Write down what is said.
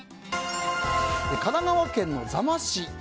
神奈川県座間市。